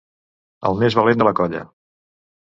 El més valent de la colla.